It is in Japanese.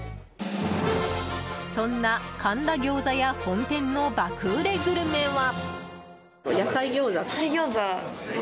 そんな神田餃子屋本店の爆売れグルメは。